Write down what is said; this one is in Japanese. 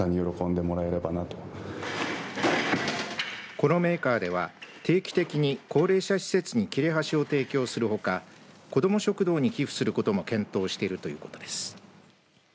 このメーカーでは定期的に高齢者施設に切れ端を提供するほか子ども食堂に寄付することも検討しているということです。